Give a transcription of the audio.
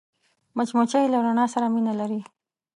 مچمچۍ له رڼا سره مینه لري